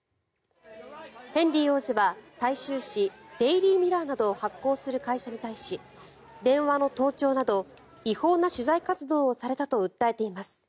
ヘンリー王子は大衆紙デイリー・ミラーなどを発行する会社に対し電話の盗聴など違法な取材活動をされたと訴えています。